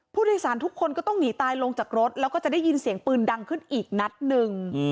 ผู้โดยสารทุกคนก็ต้องหนีตายลงจากรถแล้วก็จะได้ยินเสียงปืนดังขึ้นอีกนัดหนึ่ง